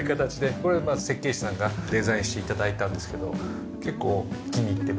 これは設計士さんがデザインして頂いたんですけど結構気に入ってます。